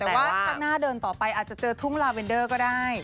แต่ว่าข้างหน้าเดินต่อไปอาจจะเจอทุ่งลาเวนเดอร์ก็ได้